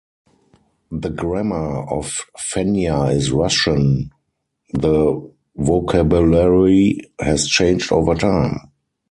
The grammar of fenya is Russian; the vocabulary has changed over time.